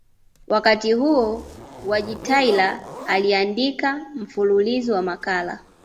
Wakati huo Wojtyla aliandika mfululizo wa makala